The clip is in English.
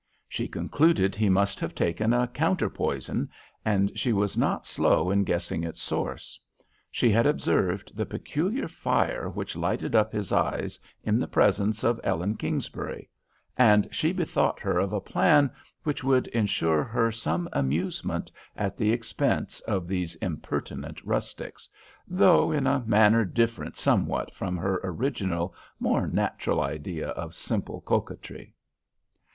She concluded he must have taken a counter poison, and she was not slow in guessing its source. She had observed the peculiar fire which lighted up his eyes in the presence of Ellen Kingsbury, and she bethought her of a plan which would ensure her some amusement at the expense of these impertinent rustics, though in a manner different somewhat from her original more natural idea of simple coquetry.